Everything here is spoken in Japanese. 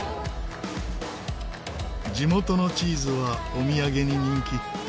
地元のチーズはお土産に人気。